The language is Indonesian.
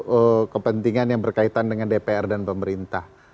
untuk kepentingan yang berkaitan dengan dpr dan pemerintah